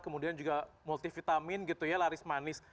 kemudian juga multivitamin gitu ya laris manis